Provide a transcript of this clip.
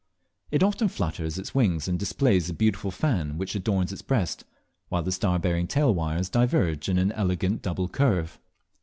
It often flutters its wings and displays the beautiful fan which adorns its breast, while the star bearing tail wires diverge in an elegant double curve.